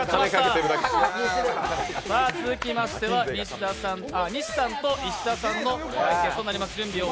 続きましては西さんと石田さんの対決となります。